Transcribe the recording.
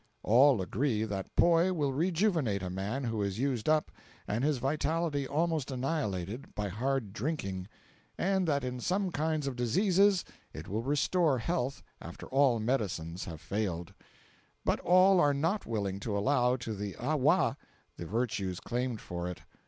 All agree that poi will rejuvenate a man who is used up and his vitality almost annihilated by hard drinking, and that in some kinds of diseases it will restore health after all medicines have failed; but all are not willing to allow to the awa the virtues claimed for it.